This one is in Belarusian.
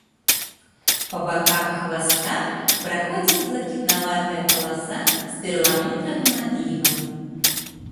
Па баках хваста праходзіць блакітнаватая паласа з перламутравым адлівам.